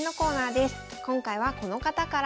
今回はこの方から。